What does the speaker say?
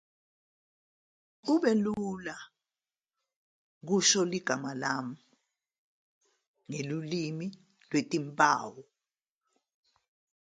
Kube lula ukusho igama lami ngolimi lwezimpawu.